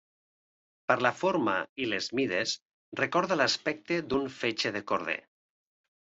Per la forma i les mides recorda l'aspecte d'un fetge de corder.